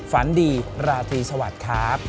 ฝันดีราธิสวัสดิ์ครับ